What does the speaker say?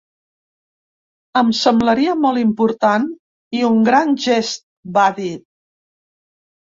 Em semblaria molt important i un gran gest, va dir.